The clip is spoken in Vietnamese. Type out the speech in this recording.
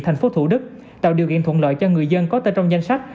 thành phố thủ đức tạo điều kiện thuận lợi cho người dân có tên trong danh sách